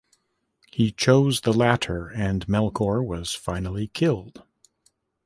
He chose the latter, and Melkor was finally killed.